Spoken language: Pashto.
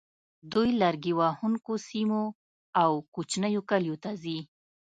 دوی لرګي وهونکو سیمو او کوچنیو کلیو ته ځي